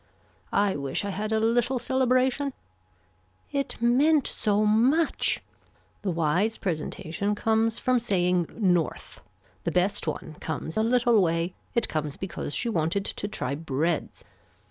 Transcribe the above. I wish I had a little celebration. It meant so much. The wise presentation comes from saying north, the best one comes a little way, it comes because she wanted to try breads.